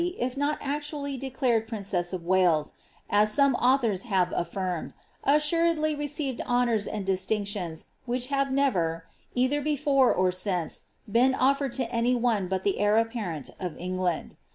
if not actually declared princess of Waki, as some authors have affirmed, assuredly received honours mnd distiac tions which have never, either before or since, been oflered to anv one but the heir apparent of England.